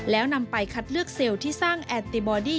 แล้วนำไปคัดเลือกเซลล์ที่สร้างแอนติบอดี้